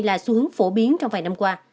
là xu hướng phổ biến trong vài năm qua